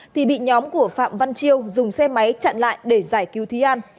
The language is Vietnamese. thì bị nhóm của phạm văn chiêu dùng xe máy chặn lại để giải cứu thúy an